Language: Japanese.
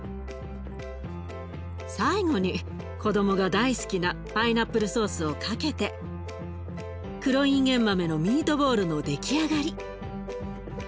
最後に子どもが大好きなパイナップルソースをかけて黒いんげん豆のミートボールの出来上がり。